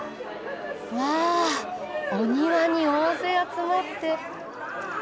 わあお庭に大勢集まって。